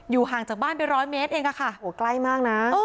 ห่างจากบ้านไปร้อยเมตรเองอะค่ะใกล้มากนะ